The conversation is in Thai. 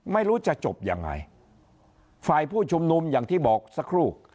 ไม่รู้จะจบยังไงฝ่ายผู้ชุมนุมอย่างที่บอกสักครู่